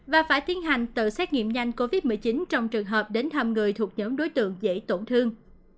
và phải tiến hành tự xét nghiệm nhanh covid một mươi chín trong trường hợp đến thăm người thuộc nhóm đối tượng dễ tổn thương